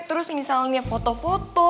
terus misalnya foto foto